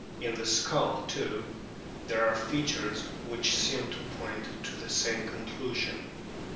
In the skull too there are features which seem to point to the same conclusion.